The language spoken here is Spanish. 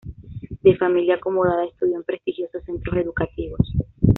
De familia acomodada estudió en prestigiosos centros educativos.